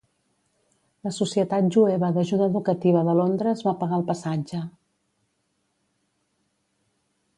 La Societat Jueva d'Ajuda Educativa de Londres va pagar el passatge.